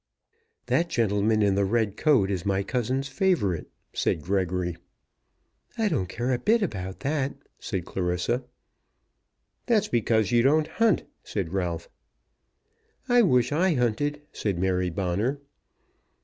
"That gentleman in the red coat is my cousin's favourite," said Gregory. "I don't care a bit about that." said Clarissa. "That's because you don't hunt," said Ralph. "I wish I hunted," said Mary Bonner.